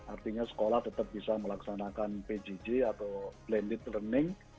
artinya sekolah tetap bisa melaksanakan pjj atau blended learning